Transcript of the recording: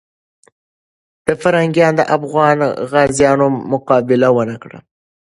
پرنګیان د افغان غازیانو مقابله ونه کړه.